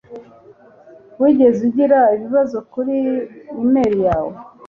Wigeze ugira ibibazo kuri imeri yawe